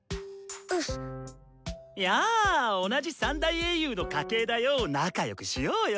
ウス。や同じ三大英雄の家系だヨ仲良くしようヨ。